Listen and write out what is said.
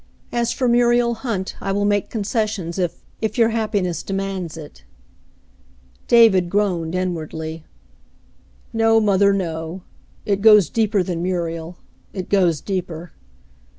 As for Muriel Hunt, I will make concessions if — if your happiness demands it." David groaned inwardly. "No, mother, no. It goes deeper than Muriel; it goes deeper."